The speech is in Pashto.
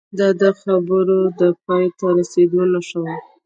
دا د خبرو د پای ته رسیدو نښه وه